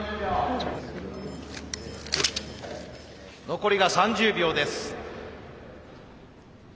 残りが３０秒です。